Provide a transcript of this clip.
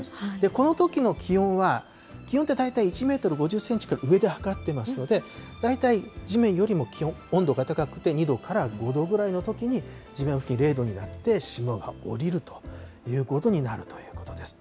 このときの気温は、気温って大体１メートル５０センチから上で測っているので、大体地面よりも温度が高くて２度から５度ぐらいのときに地面付近が０度になって、霜が降りるということになるということです。